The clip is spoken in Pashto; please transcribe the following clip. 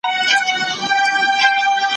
څوچي غرونه وي پرځمکه `